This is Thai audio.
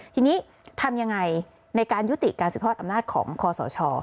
ทีนี้ทำยังไงในการยุติการสืบทอดอำนาจของคอสช